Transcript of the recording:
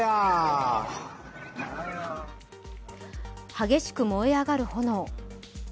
激しく燃え上がる炎。